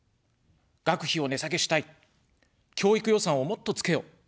「学費を値下げしたい」、「教育予算をもっとつけよ」。